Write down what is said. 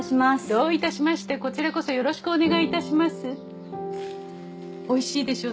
どういたしましてこちらこそよろしくおいしいでしょ？